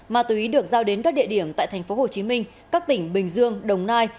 ma túy được giao đến các địa điểm tại tp hcm các tỉnh bình dương đồng nai